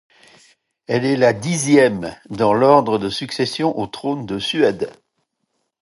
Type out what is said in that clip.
Elle est dixième dans l'ordre de succession au trône de Suède.